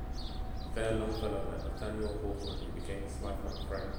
There Longfellow met Nathaniel Hawthorne who became his lifelong friend.